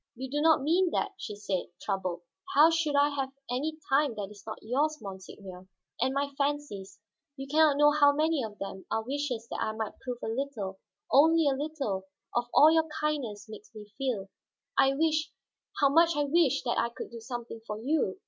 "You do not mean that," she said, troubled. "How should I have any time that is not yours, monseigneur? And my fancies you can not know how many of them are wishes that I might prove a little, only a little, of all your kindness makes me feel. I wish, how much I wish, that I could do something for you!"